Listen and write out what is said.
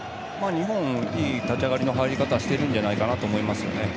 日本はいい立ち上がりの入り方しているんじゃないかと思います。